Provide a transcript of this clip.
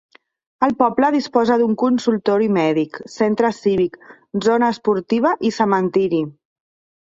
El poble disposa d'un consultori mèdic, centre cívic, zona esportiva i cementeri.